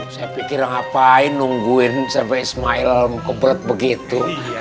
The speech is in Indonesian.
saya pikir ngapain nungguin sampai ismail kebelet begitu